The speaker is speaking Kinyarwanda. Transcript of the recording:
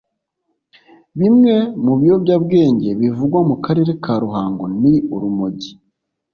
Bimwe mu biyobyabwenge bivugwa mu karere ka Ruhango ni urumogi